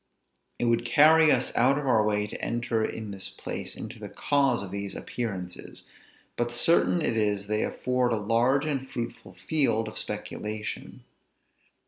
It would carry us out of our way to enter in this place into the cause of these appearances, but certain it is they afford a large and fruitful field of speculation.